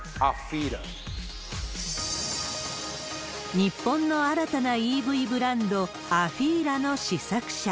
日本の新たなＥＶブランド、アフィーラの試作車。